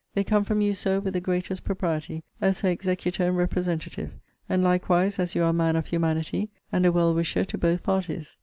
They come from you, Sir, with the greatest propriety, as her executor and representative; and likewise as you are a man of humanity, and a well wisher to both parties.